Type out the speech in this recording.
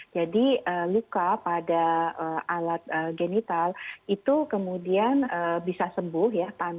jadi luka pada alat genital itu kemudian bisa sembuh ya